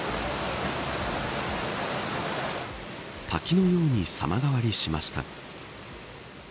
滝のように様変わりしました。